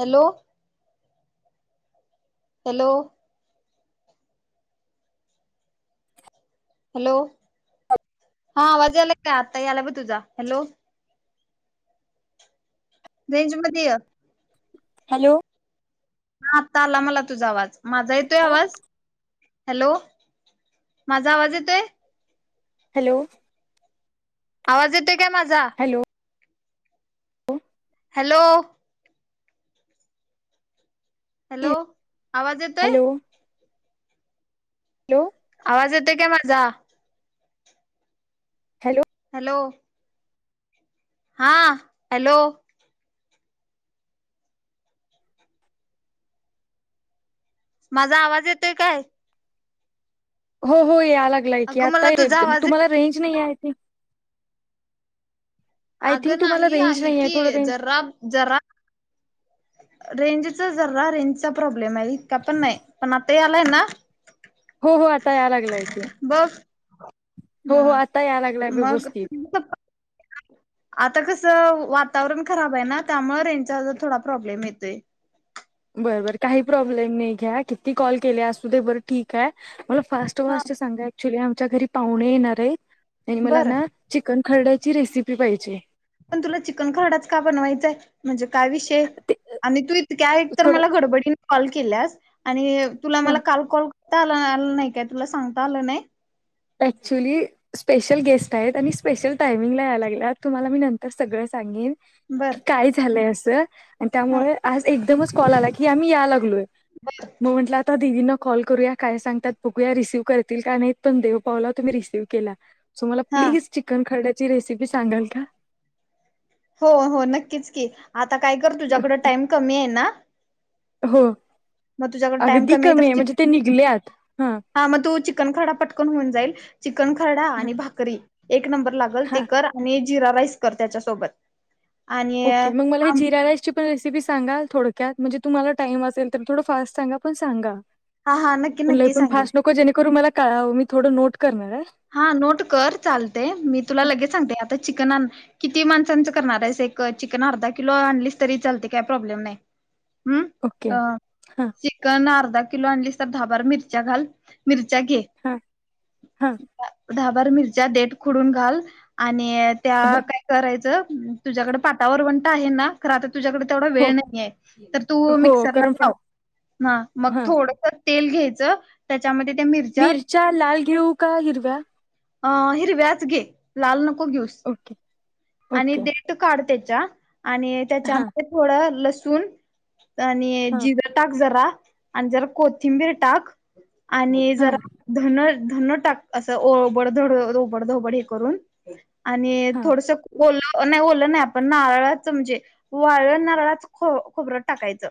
Hello. Hello hello हा आवाज आलाय का आता आलाय ब तुझा हॅलो रेंज मध्ये आहे हॅलो ह आत्ता आला मला तुझा आवाज माझा येतोय आवाज हॅलो माझा आवाज येतोय हॅलो आवाज येतोय काय माझा हॅलो हॅलो हॅलो हॅलो आवाज येतोय हॅलो आवाज येतोय काय माझा हॅलो हॅलो हा हॅलो माझा आवाज येतोय काय हो हो ये आलागला आहे की अगं मला आता तुझा आवाज येत तुम्हाला रेंज नाही आहे ते आय थिंक अगं तुम्हाला नाही रेंज आहे नाही की थोडं रेंज जरा जरा रेंजचा जर रेंजचा प्रॉब्लेम आहे का पण नाही पण आता आलाय ना हो हो आता या लागलाय की बघ हो हो हा आता या लागलाय मग व्यवस्थित आता कसं वातावरण खराब आहे ना त्यामुळे रेंचा थोडा प्रॉब्लेम येतोय बर बर काही प्रॉब्लेम नाही घ्या किती कॉल केले असू ते बरं ठीक आहे मला फास्ट ो [unintelligible] हा अस सांगा ऍक्च्युली आमच्या घरी पाहुणे येणार आहेत आणि मला बरं ना चिकन खरड्याची रेसिपी पाहिजे पण तुला चिकन खराडाच का बनवायचंय म्हणजे काय विषय ते आ तू इक्या एक तर थोडं मला घडबडीने कॉल केल्यास आणि तुला मला हां काल कॉल करता आला आ नाही काय तुला सांगता आलं नाही ऍक्चुली स्पेशल गेस्ट आहेत आणि स्पेशल टायमिंगला यायला लागला तुम्हाला मी नंतर सगळं सांगेन बरं की काय झालंय अस आणि त्यामुळे आज एकदमच कॉल आला की आम्ही या लागलोय मग म्हंटलं आता दिदीना कॉल करूया काय सांगतात बघूया रिसीव्ह करतील का नाहीत पण देव पावला तुम्ही रिसीव्ह केला सो मला हा प्लीज चिकन खरड्याची रेसिपी सांगाल का हो हो नक्कीच की आता काय कर तुझ्याकड टाइम कमी आहे ना हो मग तुझ्याकडे टाइम अगदी कमी तर आहे चिक म्हणजे ते निघलेत हा हा मग तू चिकन खरडा पटकन होऊन जाईल चिकन खरडा हां आणि भाकरी एक नंबर लाग ल ते हां कर आणि जिरा राईस कर त्याच्यासोबत आणि ओके मग मला हे आमटी. जिराला ण रेसिपी सांगा थोडक्यात म्हणजे तुम्हाला टाईम असेल तर थोड फास्ट सांगा पण सांगा हा हा नक्की पण ल नक्की पण सांगेल फास्ट नको जेणेकरून मला का मी थोडं नोट करणार आहे हा नोट कर चालते मी तुला लगेच सांगते आता चिकन किती माणसांचं करणार आहे अस एक चिकन अर्धा किलो आणलीस तरी चालते काय प्रॉब्लेम नाही हम्म ओके अ हां चिकन अर्धा किलो आणलीस तर दहा बार मिरच्या घाल मिरच्या घे हां हां दहा बार मिरच्या देट खुडून घाल आणि त्या काय करायचं तुझ्याकडे पाटावर वंट आहे ना खरात तुझ्याकडे तेवढा हो वेळ नाही आहे तर तू हो मिक्सरला कारण लाव ह मग हा थोडस तेल घ्यायचं त्याच्यामधे मिरचा लाल घेऊ का हिरव्या अ हिरव्याच घे लाल नको घेऊस ओके आणि ओके दे काढ त्याच्या आणि हां त्याच्यामधे थोड लसूण आणि हां ज टाक जरा आणि जरा कोथिंबीर टाक आणि हां जरा धन धन टाक असं ओबडधड ओबडधोबड हे करून आणि हां थोडस कोल नाही ओलं नाही आपण नारळाचं म्हणजे वाळळ नारळाच खो खोबरत टाकायचं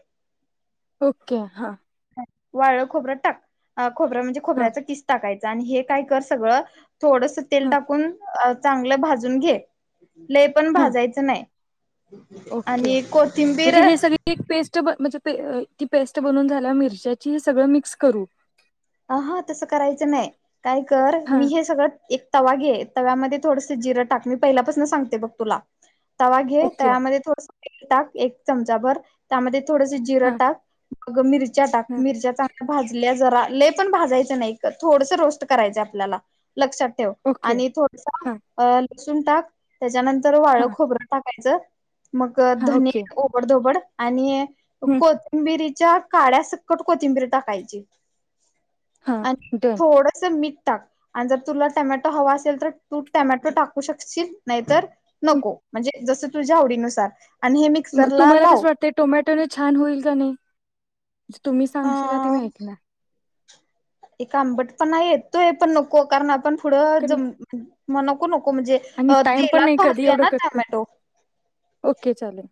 ओके हां वाळ खोबरं टाक खोबरं म्हणजे हां खोबऱ्याचा किस टाकायचं आणि हे काय कर सगळं थोडस तेल हां टाकून चांगलं भाजून घे लय पण हां भाजायचं नाही आणि कोथिंबीर ती एक पेस्ट म्हणजे ती पेस्ट बनवून झाल्या मिरच्याची सगळं मिक्स करू ह हा तसं करायचं नाही काय कर मी हां हे सगळं एक तवा घे तव्यामध्ये थोडस जिरं टाक मी पहिल्यापासून सांगते बघ तुला तवा घे ओके तव्यामध्ये थोडस तेल टाक एक चमचा भर त्यामध्ये थोडस जिरं हां टाक बग मिरच्या टाक हां मिरच्या चांगल्या भाजल्या जरा लेप पण भाजायचं नाही थोडस रोस्ट करायचं आपल्याला लक्षात ठेव ओके आणि थोडस हां लसूण टाक त्याच्यानंतर वाळं हां खोबरं टाकायचं मग हां धनी ओके बडधोबड आणि कोथिंबिरीच्या काड्या सकट कोथिंबीरी टाकायची हां आणि डन थोडस मीठ टाक आणि जर तुला टॅमॅटो हवा असेल तर तू टमॅटो टाकू शकशील नाही तर नको म्हणजे जसं तुझ्या आवडीनुसार आणि हे मिक्सरला तुम्हाला लाव कसं वाटतंय टोमॅटोने छान होईल का नाहीे तुम्ही अ सांगशीलला ते मी ऐकणार एक आंबट पण येतोय पण नको कारण आपण पुढं ज कारण म्ह नको नको म्हणजे आणि टाइम पण तेलात नाही कधी भाजूया एवढं ना कक टमॅटो ओके चालेल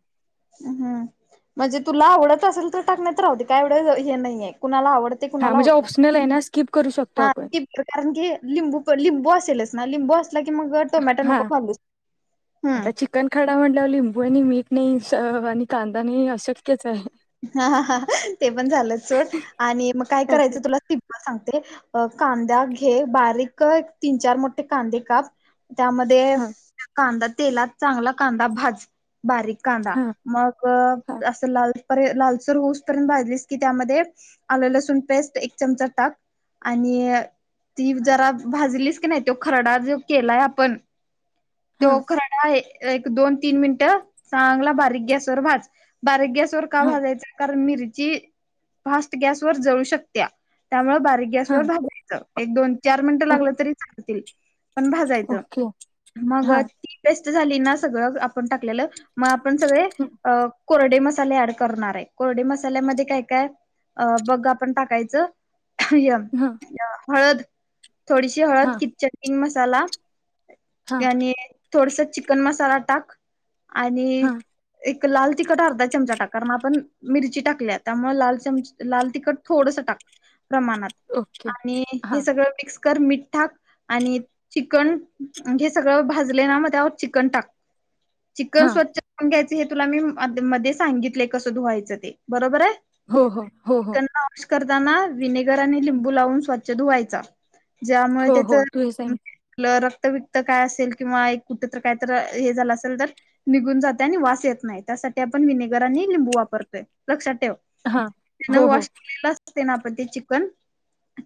हम म्हणजे तुला आवडत असेल तर टाकण्यात राहते काय एव हे नाहीये कुणाला आवडत हा कुणाला म्हणजे नाही ऑप्शनल आहे ना स्किप करू शकतो हा आपण कारण की लिंबू लिंबू असेलच ना लिंबू क मग टोमॅट नको चन खाडा म्हणला लिंबू आणि मीठ नाही आणि कांदा नाही अशक्यच आहे हा ह ते पण झालं चोड आणि मग काय ओके करायचं तुला मला सांगते अ कांदा घे बारीक तीन चार मोठे कांदे काप त्यामध्ये हा कांदा तेलात चांगला कांदा भाज बारीक कांदा हा मग हा असं लाल लालसूर होऊस पर्यंत भाजलीस की त्यामध्ये आलं लसूण पेस्ट एक चमचा टाक आणि ती जरा भाजलीस की नाही तो खरडा जो केलाय आपण हा तो खरडा एक दोन तीन मिनटं चांगला बारीक गॅस व भाज बारीक गॅस हा मि फा ग व जू शक त्या [unintelligible] बारीक गॅस हा वर भाजायचं एक दोन चार मिनट ओ लागलं तरी चालतील पण भाजायचं ओके मग हा ती बेस्ट झाली ना सगळं आपण टाकलेलं मग आपण सगळे हं, अ कोरडी मसाले ऍड करणार आहे कोरडी मसाल्यामध्ये काय काय अ बघ आपण टाकायचं य हा हळद थोडीशी हळद हा किचचटंग मसाला हा आणि थोडस चिकन मसाला टाक आणि हा एक लाल तिखट अर्धा चमचा टाकर ना आपण मिरची टाकल्या त्यामुळे लाल चम लाल तिखट थोडस टाक प्रमाणात ओके आणि हे हा सगळं मिक्स कर मिठाक आणि चिकन हे सगळं भाजले ना मग त्यावर चिकन टाक चिकन हा स्वच्छ घ्यायचे हे तुला मी म मध्ये सांगितलेय कसं धुवायचं ते बरोबर आहे हो हो हो हो चिकन करताना विनेगर आणि लिंबू लावून स्वच्छ धुवायचा ज्यामुळे हो त्याच हो तू हे आप सांग रक्त व काय असेल किंवा एक कुठ तर काय तर हे झालं असेल तर निघून जात आणि वास येत नाही त्यासाठी आपण विनेगर आणि लिंबू वापरतोय लक्षात ठेव हा हो हो वॉश कराला असते ना आपण ते चिकन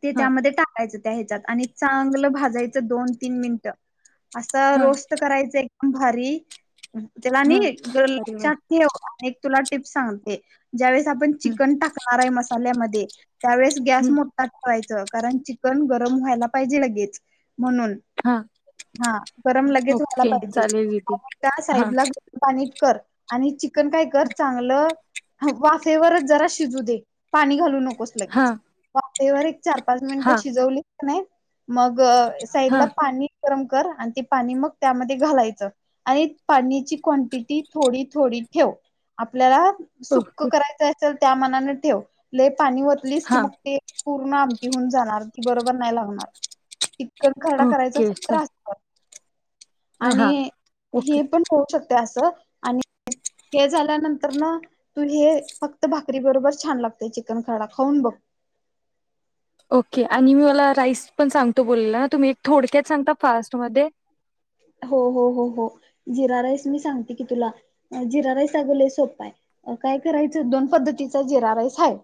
ते हा त्यामध्ये टाकायचं आणि चांगलं भाजायच दोन तीन मिनट अस हा रो करायच एकदम भारी त्याला हा अरे वा लक्षात ठेव एक तुला टिप्स सांगते ज्यावेेळेस आपण हम्म चिकन टाकणार आहे मसाल्यामध्ये त्यावेळेस गॅस हम्म मोठा ठेवायचं कारण चिकन गरम व्हायला पाहिजे लगेच म्हणून हा हा गरम लगेच व्हाला ओके पाहिजे चालेल दीदी आणि हा साईड ला पाणी कर आणि चिकन काय कर चांगलं वाफेवरच जरा शिजू दे पाणी घालू हा नकोस ेच वाेवर एक चार पाच हा मिनिट शिजवली नाही मग हा साईडला पाणी गरम कर आणि ते पाणी मग त्यामध्ये घालायचं आणि पाण्याची क्वांटिटी थोडी थोडी ठेव आपल्याला सुख ओके करायचं असेल त्या मनान ठेव लले पाणी वतलीस की हा मग ते पूर्ण आमटहून जाणार ती बरोबर नाही लागणार इतक खरडा करायचाच ओके चल आणि हा ओके हे पण होऊ शकते अस आणि हे झाल्यानंतर ना तू हे फक्त भाकरी बरोबर छान लागते चिकन खराडा खाऊन बघ ओके आणि मी मला राईस पण सांगतो बोलेला ना तुम्ही एक थोडक्यात सांगता फास्ट मध्ये हो हो हो हो जिरा राईस मी सांगते की तुला जिरा राईस अगवले सोपा आहे काय करायचं दोन पद्धतीचा जिरा राईस ह आहे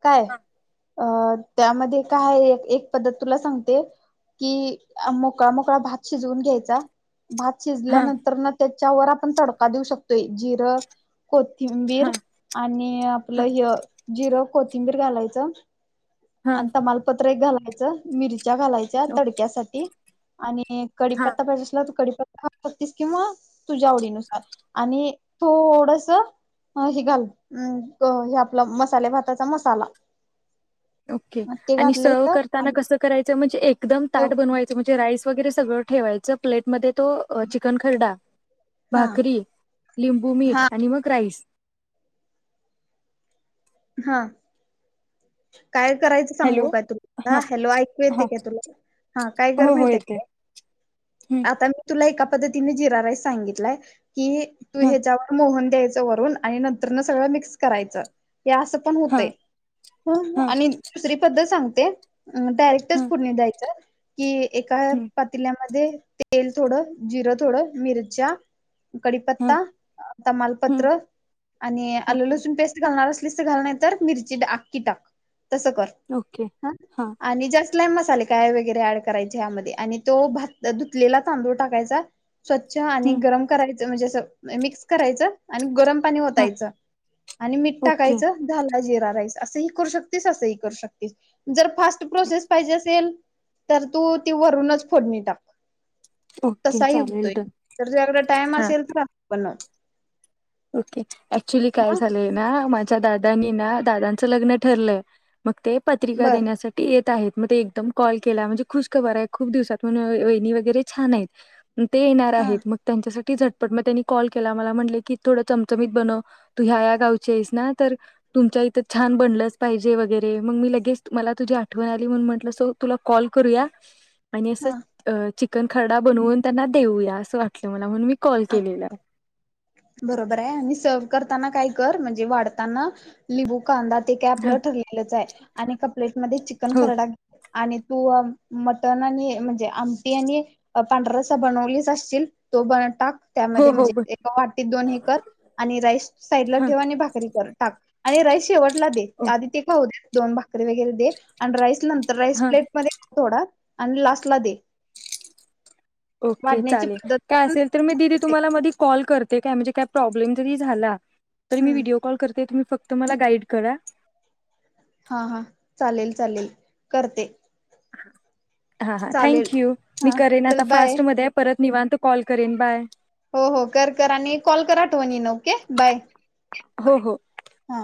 [inaudible] काय हा अ त्यामध्ये काय एक पद्धत तुला सांगते कि मोकळा मोकळा भात शिजवून घ्यायचा भात हा शिजल्यानंतर त्याच्यावर आपण तडका देऊ शकतोय जिरं कोथिंबीर हा आणि हा आपलं ह जिरं कोथिंबीर घालायचं हा आणि तम्हाला पत्र एक घालायचं मिरच्या घालायच्या ओके तडक्यासाठी आणि हां कडीपत्ता पाहिजेला त कडीपता तीस किंवा तुझ्या आवडीनुसार आणि थोडस ह हे घाल हे आपलं मसाले भाताचा मसाला ओके ते आणि घातले सर्व तर आणि करताना कसं करायचं म्हणजे एकदम हा ताट बनवायच म्हणजे रास वगैरे सगळं ठेवायचं प्लेटमध्ये तो चिकन खरडा भाकरी लिंबू मीठ हा आणि मग राईस हा काय करायचं हॅलो सांगू का तुला हा हॅलो ऐकू येते हा काय तुला हा काय हो हो गरमहेत येते हा आता मी तुला एका पद्धतीने जिरा राईस सांगितलाय की तू हा ह्याच्यावर मोहन द्याय. वून आणि नंतर न सगळं मिक्स करायचं हे असं पण होत हा हा आणि.. दुसरी पद्धल सांगते डायरेक्टच पुढ द्यायच की एका पाटील मध्ये तेल थोडं जिरं थोडं मिरच्या.. हा कडीपत्ता तमालपत्र आणि आलू ओके लसण पेस्ट घालणार. इमेज तिथे टाक नाहीतर अख्खी टाक ओके हा कतलाय मसाले काय वगैरे ऍड करायचे यामध्ये आणि तो भात धुतलेला तांदूळ टाकायचा. स्वच्छ आणि गरम करायचं म्हणजे मिक्स करायचं आणि गरम पाणी हा होतायचं आणि मीठ ओके टाकायचं झाला जिरा राईस असंही करू शकतेस असंही करू शकते. जर फास्ट प्रोसेस पाहिजे असेल तर तू ती वरूनच फोडणी टाक ओके तसाही चालेल होतोय. डन तर जुझ्याकडे टाइम हा असेल तर पण ओके ऍक्च्युली काय हा झालंय ना माझ्या दादानी ना दादांचं लग्न ठरलंय. मग ते पत्रिका बर देण्यासाठी येत आहेत मग ते एकदम कॉल केला म्हणजे खुश खबर आहे खूप दिवसात वणी वगैरे छान हाईत. ते येणार हा आहेत मग त्यांच्यासाठी झटपट मग त्यांनी कॉल केला मला म्हटले की - - थोडं चमचमीत बनव तू ह्या या्या गावची आहेस ना तर तुमच्या इथं छान बनलंच पाहिजे वगैरे मग मी लगेच मला तुझी आठवण आली म्हणून म्हटलं सो तुला कॉल करूया. [unintelligible] आणि हा असं चिकन खरडा बनवून त्यांना देऊया असं वाटलं मला म्हणून मी कॉल केलेला. बरोबर हाय आणि सर्व करताना काय कर म्हणजे वाढताना लिंबू - - कांदा ते काय हं, आपल्याला ठरलेलच हाय आणि एका प्लेट मध्ये चिकन खरडा - - आणि तू मटण आणि म्हणजे आमटी आणि - - पांढरारस्सा बनवलीच असशील तो बन टाक. हो त्यामध्ये हो म्हणजे हो एका वाटीत दोन हे कर आणि राईस साईडला हा ठेव आणि भाकरी कर टाक. आणि राई शेवटला दे. ओ आधी ते खाऊ दे. दोन भाकरी वगैरे दे. आणि राईस नंतर राईस हा प्लेट मध्ये थोडा आणि लास्टला दे. ओके. वाढण्याची चालेल. पद्धत काय पण असेल तर मी तुम्हाला म कॉल करते काय म्हणजे का प्रॉब्लेम जरी झाला म हम्म व्हिडिओ- - कॉल करते तुम्ही फक्त मला गाईड करा. हा, हा. चालेल, चालेल. करते. हा, हा. चालेल. Thank you. मी हा करेन चल आता बाय फास्टमध्ये - - परत निवांत कॉल करेन बाय. हो, हो. कर कर आणि कॉल करा आठवणीन ओके बाय. हो, हो. हा.